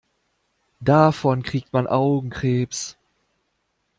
Davon kriegt man Augenkrebs.